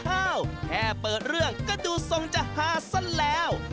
อ้าวแค่เปิดเรื่องก็ดูทรงจะฮาซะแล้ว